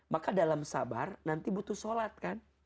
maka dalam sabar nanti butuh sholat kan